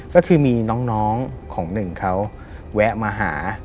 ก็คือมีน้องของหนึ่งเขาแวะมาหา